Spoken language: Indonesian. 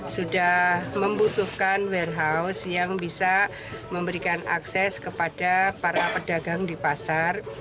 sudah membutuhkan warehouse yang bisa memberikan akses kepada para pedagang di pasar